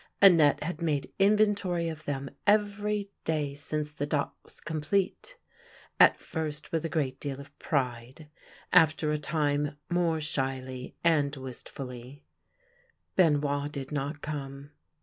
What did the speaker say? Annette had made inventory of them every day since the dot was complete — at first with a great deal of pride, after a time more shyly and wist fully : Benoit did not come.